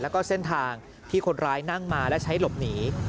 แล้วก็เส้นทางที่คนร้ายนั่งมาและใช้หลบหนี